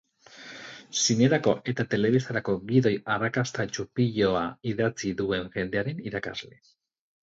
Zinerako eta telebistarako gidoi arrakastatsu piloa idatzi duen jendearen irakasle.